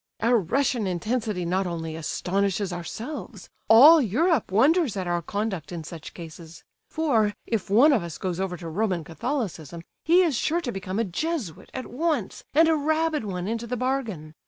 "Our Russian intensity not only astonishes ourselves; all Europe wonders at our conduct in such cases! For, if one of us goes over to Roman Catholicism, he is sure to become a Jesuit at once, and a rabid one into the bargain.